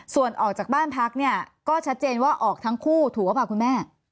ส่วนออกจากบ้านพักเนี่ยก็ชัดเจนว่าออกทั้งคู่ถูกหรือเปล่าคุณแม่